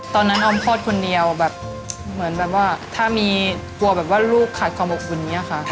ตอนนั้นออมคลอดคนเดียวแบบเหมือนแบบว่าถ้ามีกลัวแบบว่าลูกขาดความบกบุญเนี่ยค่ะ